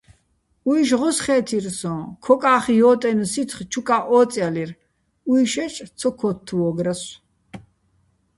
უჲშ ღოსხე́თირ სოჼ, ქოკა́ხ ჲო́ტენო̆ სიცხ ჩუკა́ჸ ო́წჲალირ, უჲშაჭ ცო ქოთთვო́გრასო̆.